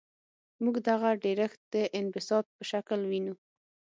موږ دغه ډیرښت د انبساط په شکل وینو.